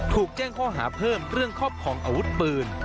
ถูกแจ้งข้อหาเพิ่มเรื่องครอบครองอาวุธปืน